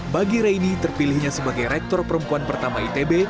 bagi reini terpilihnya sebagai rektor perempuan pertama itb